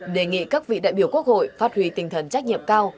đề nghị các vị đại biểu quốc hội phát huy tinh thần trách nhiệm cao